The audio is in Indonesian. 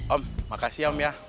om makasih om ya